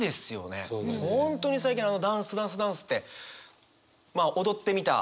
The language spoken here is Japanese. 本当に最近「ダンスダンスダンス」ってまあ踊ってみた。